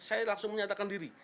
saya langsung menyatakan diri